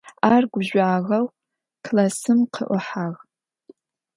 Ар гужъуагъэу классым къыӀухьагъ.